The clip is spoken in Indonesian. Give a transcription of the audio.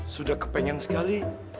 sudah kepengen sekali